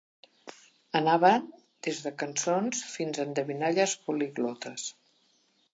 Anaven des de cançons fins a endevinalles poliglotes.